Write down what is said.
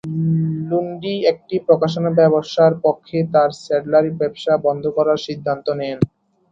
লুন্ডি একটি প্রকাশনা ব্যবসার পক্ষে তার স্যাডলারি ব্যবসা বন্ধ করার সিদ্ধান্ত নেন।